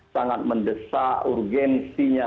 sangat mendesak urgensinya